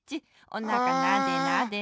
おなかなでなで。